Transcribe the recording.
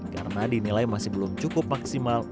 karena dinilai masih belum cukup maksimal